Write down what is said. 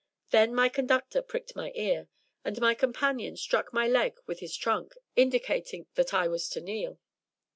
Then my conductor pricked my ear, and my companion struck my leg with his trunk, indicating that I was to kneel.